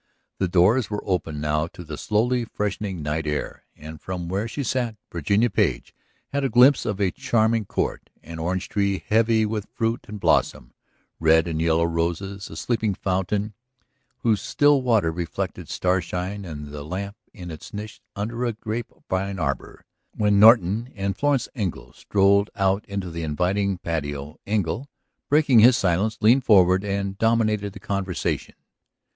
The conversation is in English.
The doors were open now to the slowly freshening night air, and from where she sat Virginia Page had a glimpse of a charming court, an orange tree heavy with fruit and blossom, red and yellow roses, a sleeping fountain whose still water reflected star shine and the lamp in its niche under a grape vine arbor. When Norton and Florence Engle strolled out into the inviting patio Engle, breaking his silence, leaned forward and dominated the conversation.